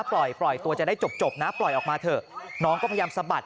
ปล่อยปล่อยตัวจะได้จบนะปล่อยออกมาเถอะน้องก็พยายามสะบัด